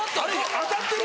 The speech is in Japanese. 当たってる